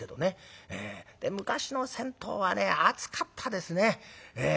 で昔の銭湯はね熱かったですね。